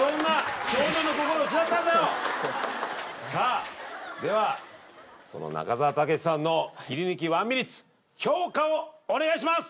さあではその中沢健さんの切り抜き１ミニッツ評価をお願いします